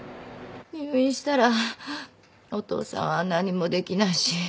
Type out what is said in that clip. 入院したらお父さんは何もできないし。